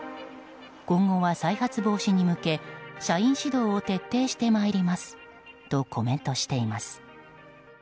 今後は再発防止に向け社員指導を徹底して参りますとコメントしています。